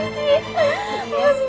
makasih banget ya allah